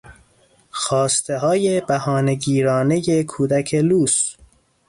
خواستههای بهانه گیرانهی کودک لوس